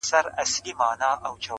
تا آزاد کړم له وهلو له ښکنځلو -